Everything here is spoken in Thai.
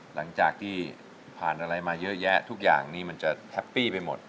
หลังจากที่ผ่านอะไรมาเยอะแยะทุกอย่างนี้มันจะแฮปปี้ไปหมด